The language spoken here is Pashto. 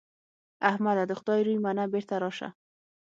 احمده! د خدای روی منه؛ بېرته راشه.